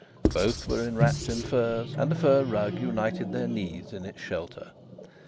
Both were enwrapped in furs, and a fur rug united their knees in its shelter.